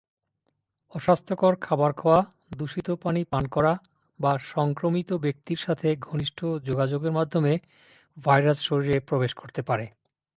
অস্বাস্থ্যকর খাবার খাওয়া, দূষিত পানি পান করা বা সংক্রমিত ব্যক্তির সাথে ঘনিষ্ঠ যোগাযোগের মাধ্যমে ভাইরাস শরীরে প্রবেশ করতে পারে।